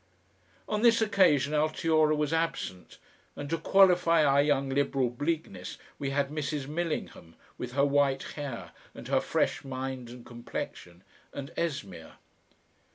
On this occasion Altiora was absent, and to qualify our Young Liberal bleakness we had Mrs. Millingham, with her white hair and her fresh mind and complexion, and Esmeer.